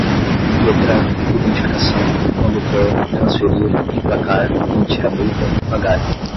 detran, identificação, condutor, transferir, emplacar, emitir a multa, pagar